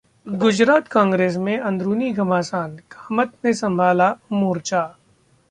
गुजरात कांग्रेस में अंदरुनी घमासान, कामत ने संभाला मोर्चा